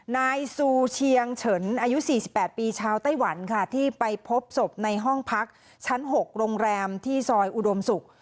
นายซูเชียงเฉินอายุ๔๘ปีชาวไต้หวันค่ะที่ไปพบศพในห้องพักชั้น๖โรงแรมที่ซอยอุดมศุกร์